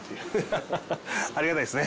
ハハハありがたいですね。